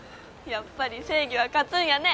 やっぱり正義は勝つんやね！